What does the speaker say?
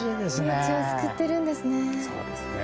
命を救ってるんですね。